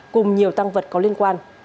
cùng nhiều tăng vật có liên quan